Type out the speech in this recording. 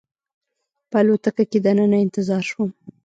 په الوتکه کې دننه انتظار شوم.